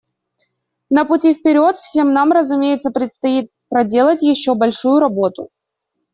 На пути вперед всем нам, разумеется, предстоит проделать еще большую работу.